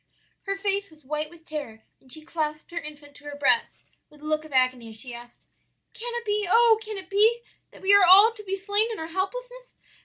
"Her face was white with terror, and she clasped her infant to her breast with a look of agony, as she asked, 'Can it be, oh can it be that we are all to be slain in our helplessness?